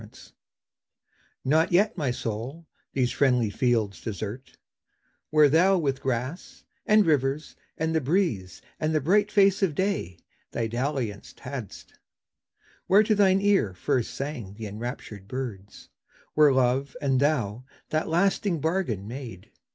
XXIV NOT yet, my soul, these friendly fields desert, Where thou with grass, and rivers, and the breeze, And the bright face of day, thy dalliance hadst; Where to thine ear first sang the enraptured birds; Where love and thou that lasting bargain made.